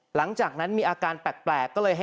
หลังจากนั้นมีอาการแปลก